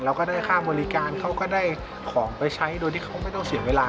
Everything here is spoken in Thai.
ก็ได้ค่าบริการเขาก็ได้ของไปใช้โดยที่เขาไม่ต้องเสียเวลา